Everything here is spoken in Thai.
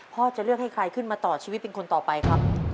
จะเลือกให้ใครขึ้นมาต่อชีวิตเป็นคนต่อไปครับ